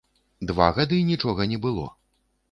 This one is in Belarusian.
Два гады нічога не было.